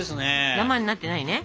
ダマになってないね？